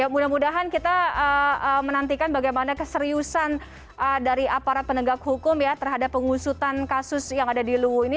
mudah mudahan kita menantikan bagaimana keseriusan dari aparat penegak hukum ya terhadap pengusutan kasus yang ada di luwu ini